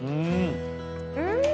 うん！